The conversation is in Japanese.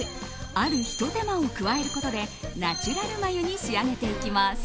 あるひと手間を加えることでナチュラル眉に仕上げていきます。